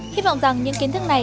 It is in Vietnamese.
hy vọng rằng những kiến thức này